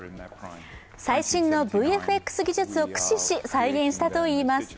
最新のＶＦＸ技術を駆使し、再現したといいます。